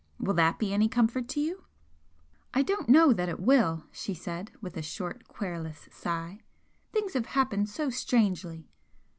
Will that be any comfort to you?" "I don't know that it will," she said, with a short, querulous sigh "Things have happened so strangely."